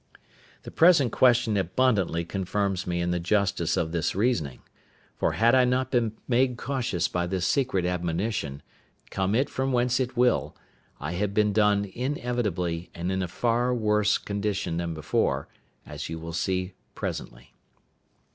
The present question abundantly confirms me in the justice of this reasoning; for had I not been made cautious by this secret admonition, come it from whence it will, I had been done inevitably, and in a far worse condition than before, as you will see presently.